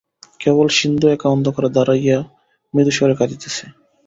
কেবল সিন্ধু একা অন্ধকারে দাড়াইয়া মৃদুস্বরে কাঁদিতেছে।